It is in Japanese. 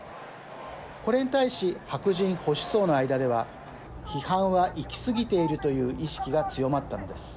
これに対し、白人保守層の間では批判は行き過ぎているという意識が強まったのです。